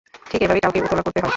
ঠিক এভাবেই কাউকে উতলা করতে হয়।